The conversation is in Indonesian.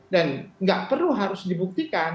dan nggak perlu harus dibuktikan